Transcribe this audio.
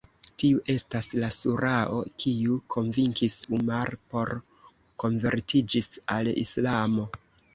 Tiu estas la Surao kiu konvinkis Umar por konvertiĝis al Islamo.